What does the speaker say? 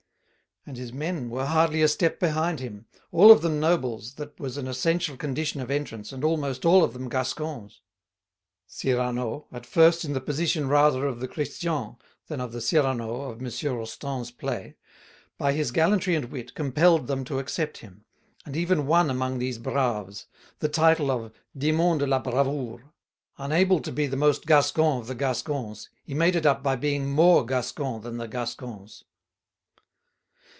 And his men were hardly a step behind him, all of them nobles that was an essential condition of entrance and almost all of them Gascons. Cyrano, at first in the position rather of the Christian than of the Cyrano of M. Rostand's play, by his gallantry and wit compelled them to accept him, and even won among these "braves" the title of "démon de la bravoure." Unable to be the most Gascon of the Gascons, he made it up by being more Gascon than the Gascons.